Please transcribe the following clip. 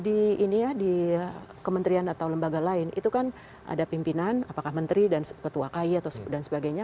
di ini ya di kementerian atau lembaga lain itu kan ada pimpinan apakah menteri dan ketua kay atau dan sebagainya